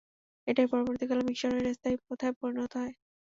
এটাই পরবর্তীকালে মিসরের স্থায়ী প্রথায় পরিণত হয়।